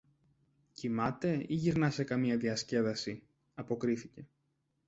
Κοιμάται ή γυρνά σε καμιά διασκέδαση, αποκρίθηκε.